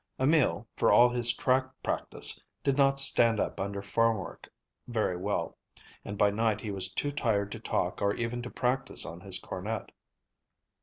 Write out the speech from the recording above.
Emil, for all his track practice, did not stand up under farmwork very well, and by night he was too tired to talk or even to practise on his cornet.